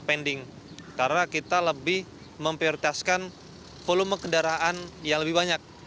pending karena kita lebih memprioritaskan volume kendaraan yang lebih banyak